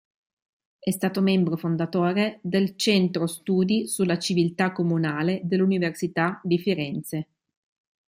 È stato membro fondatore del Centro studi sulla civiltà comunale dell'Università di Firenze.